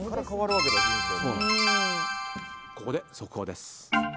ここで速報です。